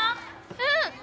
うん！